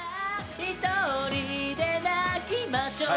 「独りで泣きましょう」